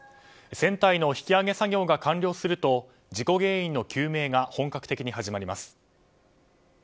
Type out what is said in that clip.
船体の引き揚げ作業が完了すると事故原因の究明が本格的に始まります。